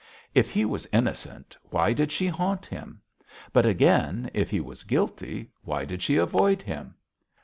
If he was innocent, why did she haunt him? But again, if he was guilty, why did she avoid him?